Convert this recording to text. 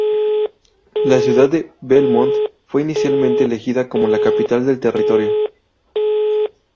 La ciudad de Belmont fue inicialmente elegida como la capital del territorio.